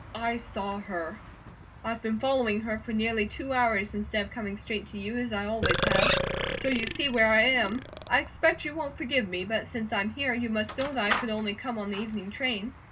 I saw her. I've been following her for nearly two hours instead of coming straight to you, as I always have. So you see where I am. I expect you won't forgive me, but since I'm here, you must know that I could only come on the evening train."